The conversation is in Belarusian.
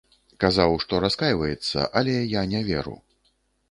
Казаў, што раскайваецца, але я не веру.